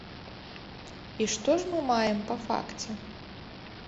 І што ж мы маем па факце?